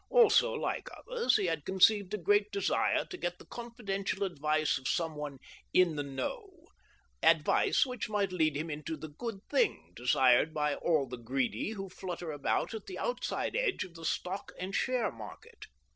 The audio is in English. Also, like others, he had conceived a great desire to get the confidential advice of somebody " in the know "— advice which might lead him into the " good thing " desired by all the greedy who flutter about at the outside edge of the stock and share market.